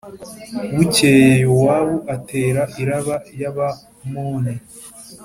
Bukeye Yowabu atera i Raba y’Abamoni